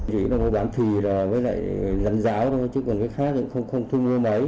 chỉ có bán phì với lại rắn ráo thôi chứ còn cái khác thì không thu mua mấy